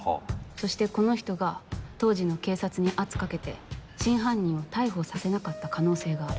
そしてこの人が当時の警察に圧かけて真犯人を逮捕させなかった可能性がある。